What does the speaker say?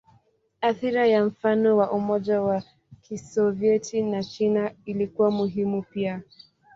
Athira ya mfano wa Umoja wa Kisovyeti na China ilikuwa muhimu pia.